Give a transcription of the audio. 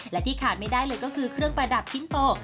และที่ขาดไม่ได้เลยก็คือเครื่องประดับชิ้นโต